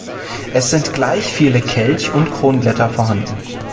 Es sind gleich viele Kelch- und Kronblätter vorhanden.